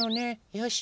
よし。